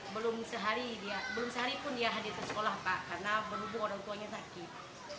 belum sehari pun dia hadir ke sekolah pak karena berhubung orang tuanya sakit